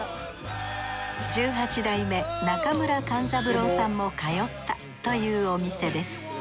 十八代目中村勘三郎さんも通ったというお店です。